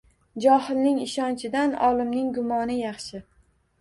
Johilning ishonchidan olimning gumoni yaxshi.